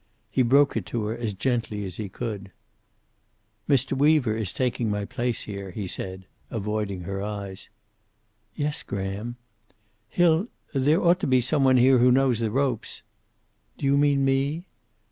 He broke it to her as gently as he could. "Mr. Weaver is taking my place here," he said, avoiding her eyes. "Yes, Graham." "He'll there ought to be some one here who knows the ropes." "Do you mean me?"